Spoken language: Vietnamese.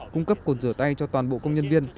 cung cấp cồn rửa tay cho toàn bộ công nhân viên